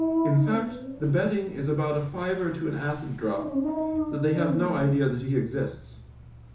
In fact, the betting is about a fiver to an acid drop that they have no idea that he exists.